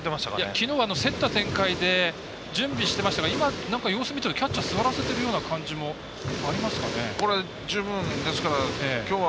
きのうは競った展開で準備していましたが今、様子見たら座らせてるような感じもありますかね。